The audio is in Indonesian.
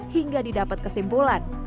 hingga didapat kesimpulan